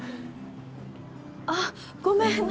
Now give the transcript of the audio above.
あっごめん何